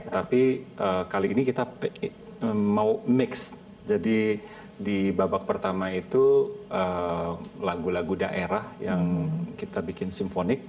tapi kali ini kita mau mix jadi di babak pertama itu lagu lagu daerah yang kita bikin simfonik